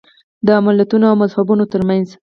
د ملتونو او مذهبونو ترمنځ.